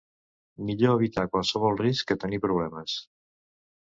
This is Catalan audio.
Millor evitar qualsevol risc que tenir problemes.